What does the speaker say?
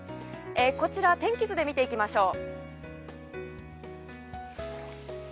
こちら天気図で見ていきましょう。